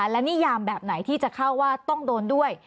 และนิยามแบบไหนที่จะเข้าว่าต้องโดนด้วย